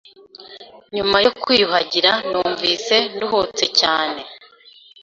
Nyuma yo kwiyuhagira numvise nduhutse cyane.